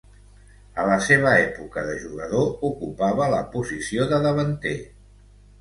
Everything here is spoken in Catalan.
A la seva època de jugador ocupava la posició de davanter.